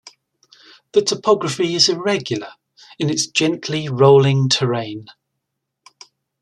The topography is irregular in its gently rolling terrain.